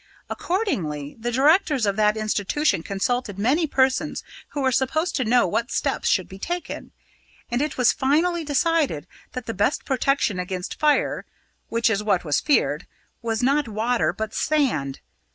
Accordingly, the directors of that institution consulted many persons who were supposed to know what steps should be taken, and it was finally decided that the best protection against fire which is what was feared was not water but sand.